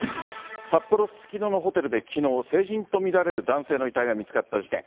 札幌・すすきののホテルできのう、成人と見られる男性の遺体が見つかった事件。